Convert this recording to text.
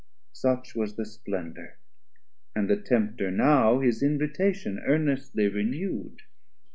Such was the Splendour, and the Tempter now His invitation earnestly renew'd.